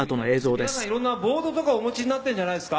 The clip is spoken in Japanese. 「皆さん色んなボードとかお持ちになっているんじゃないですか？」